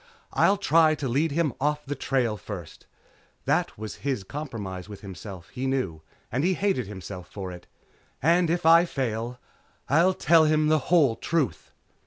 I'll try to lead him off the trail first " that was his compromise with himself, he knew, and he hated himself for it "and if I fail I'll tell him the whole truth."